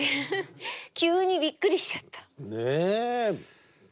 急にびっくりしちゃった。